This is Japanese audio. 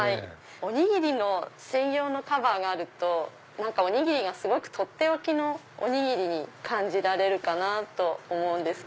おにぎり専用のカバーがあるとおにぎりがすごくとっておきのおにぎりに感じられるかなと。